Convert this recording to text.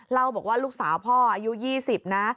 เล่าบอกว่าลูกสาวพ่ออายุ๒๐นะ